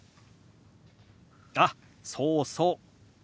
あっそうそう。